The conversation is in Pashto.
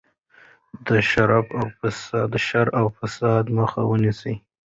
د شر او فساد مخه ونیسئ.